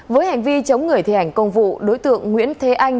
với hành vi chống người thi hành công vụ đối tượng nguyễn thế anh